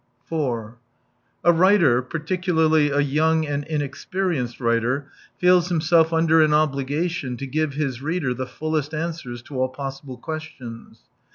4 A writer, particularly a young and inex perienced writer, feels himself under an obligation to give his reader the fullest answers to all possible questions.